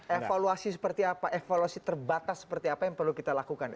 evaluasi seperti apa evaluasi terbatas seperti apa yang perlu kita lakukan